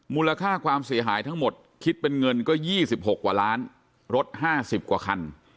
มูลค่าความเสียหายทั้งหมดคิดเป็นเงินก็๒๖กว่าล้านรถ๕๐กว่าคัน